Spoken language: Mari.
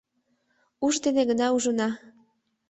Уш дене гына ужына.